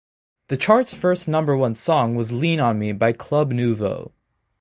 The chart's first number one song was "Lean on Me" by Club Nouveau.